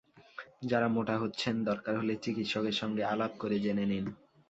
যাঁরা মোটা হচ্ছেন, দরকার হলে চিকিৎসকের সঙ্গে আলাপ করে জেনে নিন।